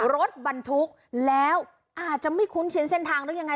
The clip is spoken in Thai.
รถบรรทุกแล้วอาจจะไม่คุ้นชินเส้นทางหรือยังไง